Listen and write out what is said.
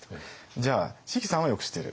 じゃあ椎木さんはよく知ってる。